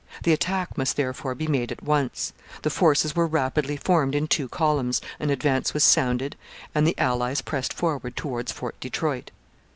The attack must, therefore, be made at once. The forces were rapidly formed in two columns, an advance was sounded, and the allies pressed forward towards Fort Detroit.